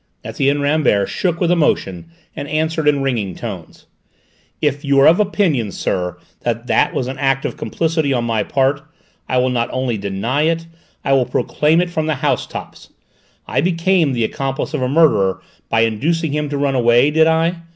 Etienne Rambert shook with emotion and answered in ringing tones. "If you are of opinion, sir, that that was an act of complicity on my part, I will not only not deny it, I will proclaim it from the housetops! I became the accomplice of a murderer by inducing him to run away, did I?